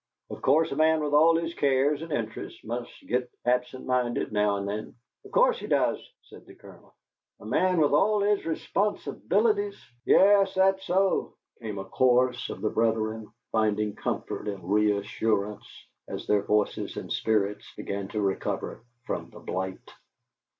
Of course a man with all his cares and interests must git absent minded now and then." "Of course he does," said the colonel. "A man with all his responsibilities " "Yes, that's so," came a chorus of the brethren, finding comfort and reassurance as their voices and spirits began to recover from the blight.